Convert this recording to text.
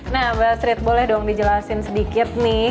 nah mbak strit boleh dong dijelasin sedikit nih